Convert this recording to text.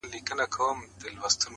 در جارېږم مقدسي له رِضوانه ښایسته یې,